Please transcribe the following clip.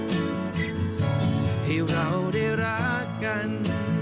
ให้เราได้รักกัน